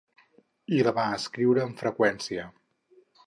I la va escriure amb freqüència.